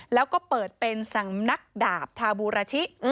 แล้วก็เปิดเป็นสำนักดาบทาบูราชิ